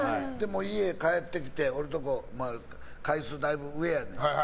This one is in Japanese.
家帰ってきて階数だいぶ上やねん。